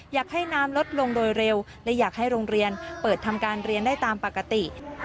อยากให้น้ำลดลงโดยเร็วและอยากให้โรงเรียนเปิดทำการเรียนได้ตามปกติ